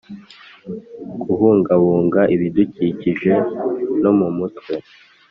kubungabunga ibidukikije no mu mutwe